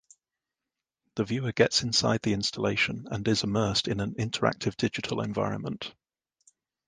The viewer gets inside the installation and is immersed in an interactive digital environment.